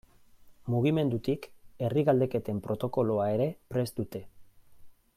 Mugimendutik herri galdeketen protokoloa ere prest dute.